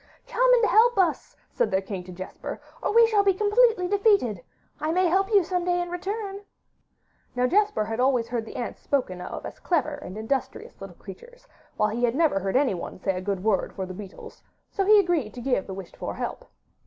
'Come and help us,' said their king to Jesper, 'or we shall be completely defeated. I may help you some day in return.' Now Jesper had always heard the ants spoken of as clever and industrious little creatures, while he never heard anyone say a good word for the beetles, so he agreed to give the wished for help.